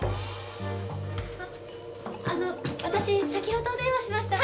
ああの私先ほどお電話しました。